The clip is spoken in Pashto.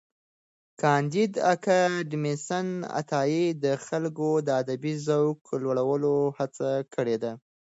کانديد اکاډميسن عطایي د خلکو د ادبي ذوق لوړولو هڅه کړې ده.